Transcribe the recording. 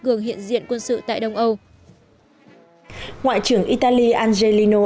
cường hiện diện quân sự tại đông âu ngoại trưởng italy alzhelino